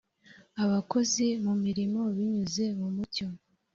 abakozi mu mirimo binyuze mu mucyo